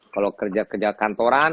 kalau kerja kerja kantoran